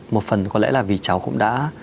một phần có lẽ là vì cháu cũng đã